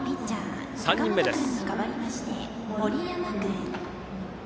３人目です。